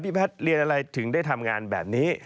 แพทย์เรียนอะไรถึงได้ทำงานแบบนี้